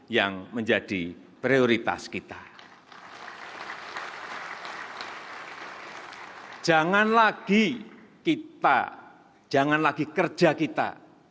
yang menjadi prioritas kita